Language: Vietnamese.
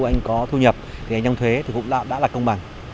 anh có thu nhập thì anh thuế thì cũng đã là công bằng